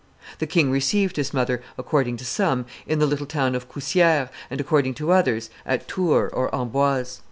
The king received his mother, according to some, in the little town of Cousieres, and, according to others, at Tours or Amboise.